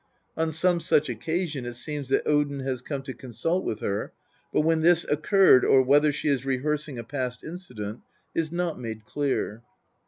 On some such occasion, it seems that Odin has come to consult with her, but when this occurred or whether she is rehearsing a past incident is not made clear.